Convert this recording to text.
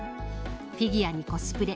フィギュアにコスプレ